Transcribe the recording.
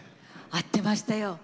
合ってましたよ！